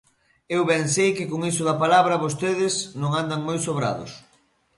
Eu ben sei que con iso da palabra vostedes non andan moi sobrados.